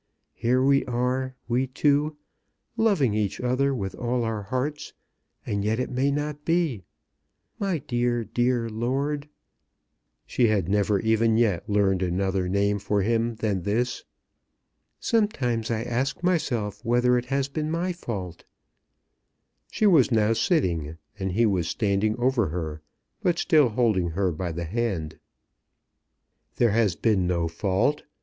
Here we are, we two, loving each other with all our hearts, and yet it may not be. My dear, dear lord!" She had never even yet learned another name for him than this. "Sometimes I ask myself whether it has been my fault." She was now sitting, and he was standing over her, but still holding her by the hand. "There has been no fault.